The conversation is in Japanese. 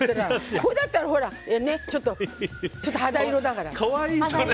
これだったらちょっと肌色だから。